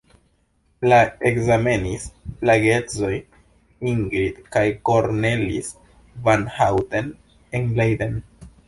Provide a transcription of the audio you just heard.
La ekzamenis la geedzoj Ingrid kaj Cornelis van Houten en Leiden.